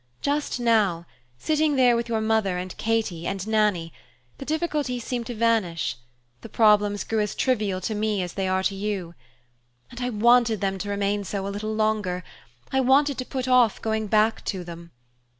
Just now, sitting there with your mother and Katy and Nannie, the difficulties seemed to vanish; the problems grew as trivial to me as they are to you. And I wanted them to remain so a little longer; I wanted to put off going back to them.